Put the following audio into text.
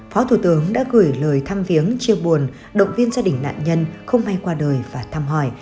phó thủ tướng đã gửi lời thăm viếng chia buồn động viên gia đình nạn nhân không may qua đời và thăm hỏi